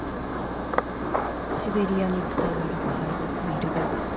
シベリアに伝わる怪物イルベガン。